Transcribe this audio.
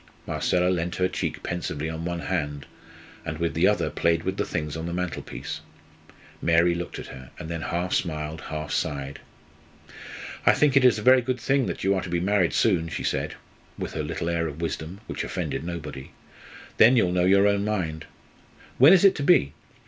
Marcella leant her cheek pensively on one hand, and with the other played with the things on the mantelpiece. Mary looked at her, and then half smiled, half sighed. "I think it is a very good thing you are to be married soon," she said, with her little air of wisdom, which offended nobody. "Then you'll know your own mind. When is it to be?"